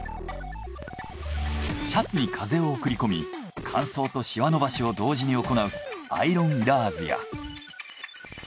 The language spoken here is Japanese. シャツに風を送り込み乾燥とシワ伸ばしを同時に行うアイロンいらずや。